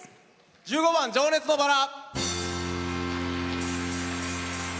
１５番「情熱の薔薇」。